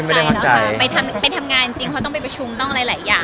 ไม่ได้ความใจหรอกคะไปทำงานจริงเขาต้องไปประชุมต้องอะไรหลายอย่าง